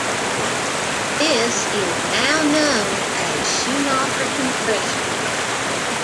This is now known as Schumacher compression.